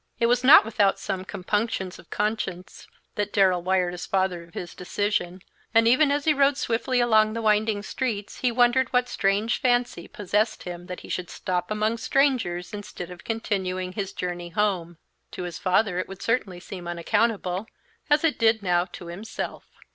It was not without some compunctions of conscience that Darrell wired his father of his decision, and even as he rode swiftly along the winding streets he wondered what strange fancy possessed him that he should stop among strangers instead of continuing his journey home. To his father it would certainly seem unaccountable, as it did now to himself.